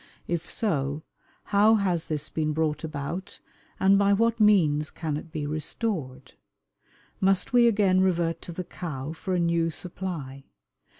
If so, how has this been brought about, and by what means can it be restored? Must we again revert to the cow for a new supply?